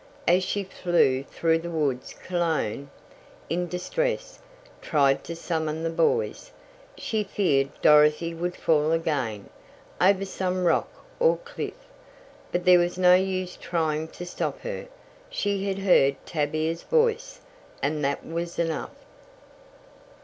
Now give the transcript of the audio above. As she flew through the woods Cologne, in distress, tried to summon the boys. She feared Dorothy would fall again, over some rock or cliff. But there was no use trying to stop her. She had heard Tavia's voice, and that was enough.